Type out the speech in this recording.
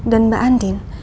dan mbak andin